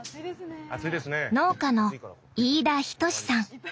農家の飯田等さん。